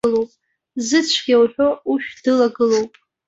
Зыцәгьа уҳәо ушә дылагылоуп!